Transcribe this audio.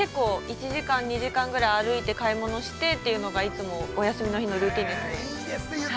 １時間２時間ぐらい歩いて買い物してというのが、いつも、お休みの日のルーチンですね。